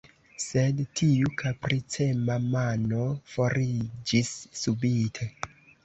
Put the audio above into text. Sed tiu kapricema mano foriĝis subite.